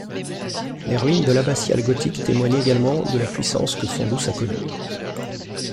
Les ruines de l’abbatiale gothique témoignent également de la puissance que Fontdouce a connue.